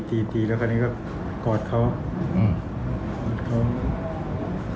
ตีแล้วคราวนี้ก็กอดเขา